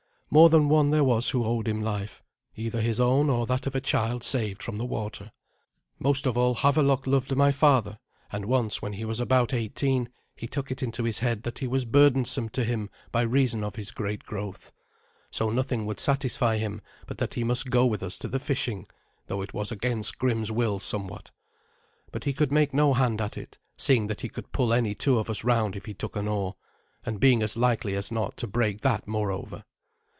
More than one there was who owed him life either his own, or that of a child saved from the water. Most of all Havelok loved my father; and once, when he was about eighteen, he took it into his head that he was burdensome to him by reason of his great growth. So nothing would satisfy him but that he must go with us to the fishing, though it was against Grim's will somewhat. But he could make no hand at it, seeing that he could pull any two of us round if he took an oar, and being as likely as not to break that moreover.